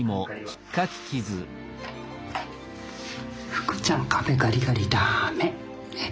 ふくちゃん壁ガリガリだめねっ。